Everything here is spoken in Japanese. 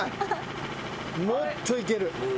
もっといける。